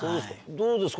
どうですか？